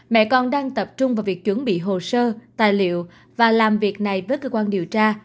mẹ con đang tập trung vào việc chuẩn bị hồ sơ tài liệu và làm việc này với cơ quan điều tra